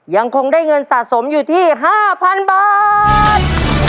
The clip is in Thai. ยังคงได้เงินสะสมอยู่ที่๕๐๐๐บาท